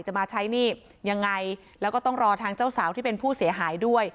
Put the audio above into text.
จะมาใช้หนี้ยังไงแล้วก็ต้องรอทางเจ้าสาวที่เป็นผู้เสียหายด้วย